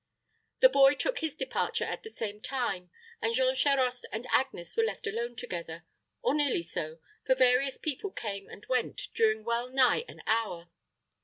The boy took his departure at the same time; and Jean Charost and Agnes were left alone together, or nearly so for various people came and went during well nigh an hour.